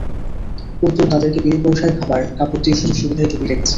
ও তো তোদেরকে বিনে পয়সায় খাবার, কাপড় দিয়ে সুযোগ সুবিধায় ডুবিয়ে রেখেছে।